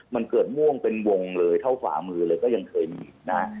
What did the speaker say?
มันเกิดม่วงเป็นวงเลยเท่าฝ่ามือเลยก็ยังเคยมีนะฮะ